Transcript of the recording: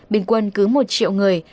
bình quân cứ một triệu người